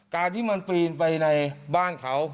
การที่มันปีนไปในบ้านเขา